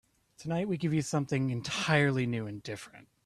Tonight we give you something entirely new and different.